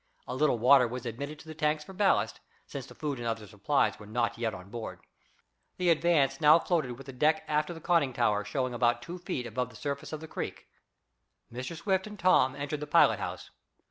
A little water was admitted to the tanks for ballast, since the food and other supplies were not yet on board. The Advance now floated with the deck aft of the conning tower showing about two feet above the surface of the creek. Mr. Swift and Tom entered the pilot house.